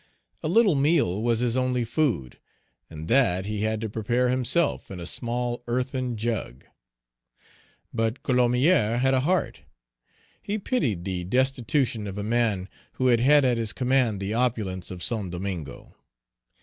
A little meal was his only food, and that he had to prepare himself in a small earthen jug. But Colomier Page 285 had a heart: he pitied the destitution of a man who had had at his command the opulence of Saint Domingo.